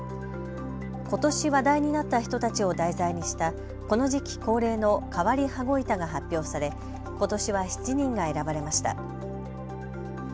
ことし話題になった人たちを題材にしたこの時期恒例の変わり羽子板が発表されことしは７人が選ばれました。